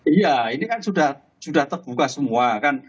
iya ini kan sudah terbuka semua kan